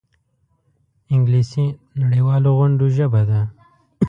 انګلیسي د نړيوالو غونډو ژبه ده